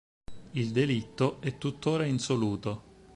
Il delitto è tuttora insoluto.